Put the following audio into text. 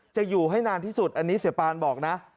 จะอยู่ให้นานที่สุดอันนี้เสียปานบอกนะ